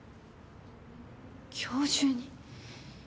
今日中に？